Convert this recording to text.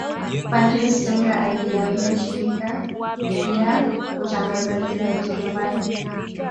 Padre Stenger aliiambia shirika ia utangazaji la Ujerumani